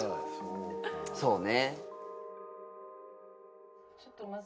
そうね。